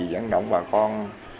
để động bà con